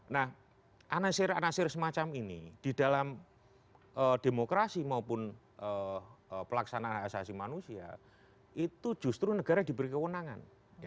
nah anasir anasir semacam ini di dalam demokrasi maupun pelaksanaan asasi manusia itu justru negara diberi kewenangan